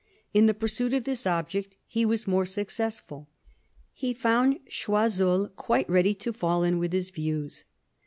In the pursuit of this object he was more successful. He found Choiseul quite ready to fall in with his views.